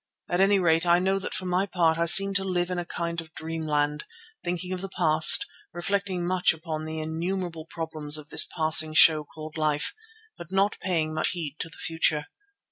At any rate I know that for my part I seemed to live in a kind of dreamland, thinking of the past, reflecting much upon the innumerable problems of this passing show called life, but not paying much heed to the future.